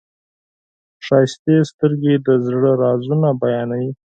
ښایسته سترګې د زړه رازونه بیانوي.